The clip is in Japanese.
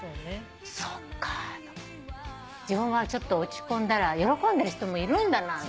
そっか自分が落ち込んだら喜んでる人もいるんだな。